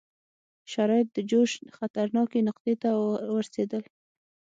شرایط د جوش خطرناکې نقطې ته ورسېدل.